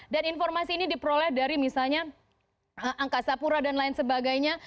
dan informasi ini diperoleh dari misalnya angkasa pura dan lain sebagainya